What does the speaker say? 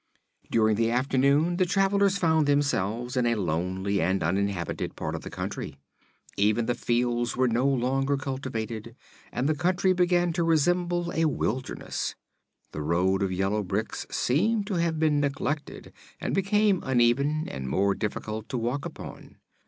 During the afternoon the travelers found themselves in a lonely and uninhabited part of the country. Even the fields were no longer cultivated and the country began to resemble a wilderness. The road of yellow bricks seemed to have been neglected and became uneven and more difficult to walk upon.